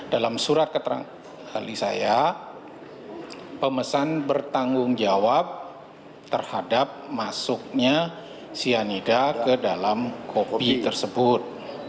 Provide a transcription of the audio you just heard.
dalam surat keterangan ahli saya pemesan bertanggung jawab terhadap masuknya cyanida ke dalam kopi tersebut